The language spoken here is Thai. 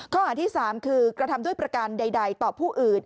ข้อหาที่๓คือกระทำด้วยประการใดต่อผู้อื่น